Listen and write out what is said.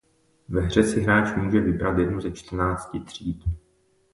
Ve hře si hráč může vybrat jednu ze čtrnácti tříd.